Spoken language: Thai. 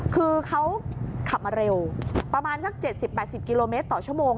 คือเขาขับมาเร็วประมาณสัก๗๐๘๐กิโลเมตรต่อชั่วโมง